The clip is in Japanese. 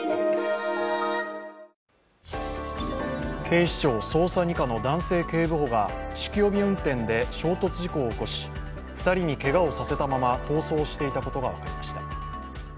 警視庁捜査２課の男性警部補が酒気帯び運転で衝突事故を起こし、２人にけがをさせたまま逃走していたことが分かりました。